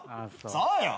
そうよ！